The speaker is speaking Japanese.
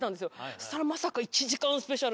そしたらまさか１時間スペシャルで。